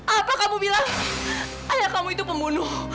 apa kamu bilang ayah kamu itu pembunuh